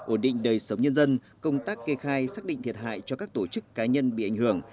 ổn định đời sống nhân dân công tác kê khai xác định thiệt hại cho các tổ chức cá nhân bị ảnh hưởng